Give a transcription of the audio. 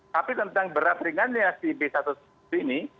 tapi tentang berat ringannya si b satu ratus tujuh belas ini